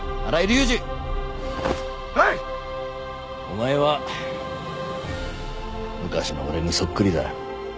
お前は昔の俺にそっくりだ。